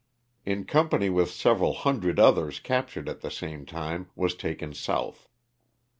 In company with several hundred others captured at the same time was taken south.